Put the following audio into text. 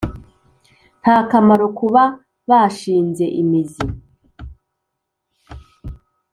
Nta kamaro kuba bashinze imizi,